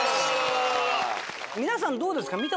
皆さんどうですか？